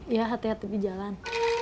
ya hati hati jalan